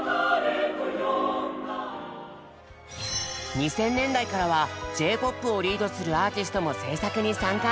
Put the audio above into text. ２０００年代からはＪ−ＰＯＰをリードするアーティストも制作に参加。